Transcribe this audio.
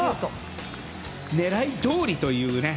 狙いどおりというね。